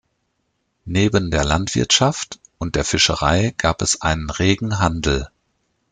Neben der Landwirtschaft und der Fischerei gab es einen regen Handel.